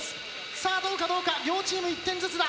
さあどうかどうか両チーム１点ずつだ。